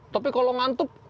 tapi kalau ngantuk